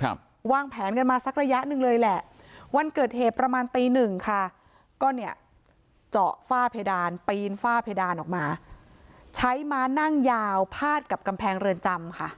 ครับวางแผนกันมาสักระยะหนึ่งเลยแหละวันเกิดเหตุประมาณตีหนึ่งค่ะก็เนี่ยเจาะฝ้าเพดานปีนฝ้าเพดานออกมาใช้ม้านั่งยาวพาดกับกำแพงเรือนจำค่ะ